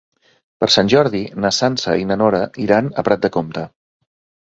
Per Sant Jordi na Sança i na Nora iran a Prat de Comte.